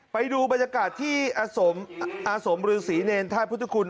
ไปดูบรรยากาศที่อสมรึงศรีเนรนท่าพุทธคุณ